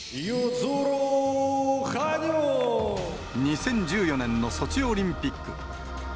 ２０１４年のソチオリンピック。